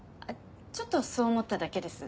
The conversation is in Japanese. ちょっとそう思っただけです。